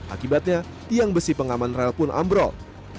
akibatnya tiang besi pengaman rel pun ambrol